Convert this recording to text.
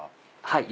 はい。